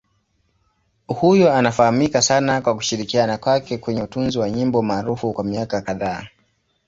Huyu anafahamika sana kwa kushirikiana kwake kwenye utunzi wa nyimbo maarufu kwa miaka kadhaa.